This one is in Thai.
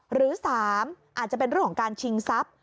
หรือ๓อาจจะเป็นเรื่องของการชิงทรัพย์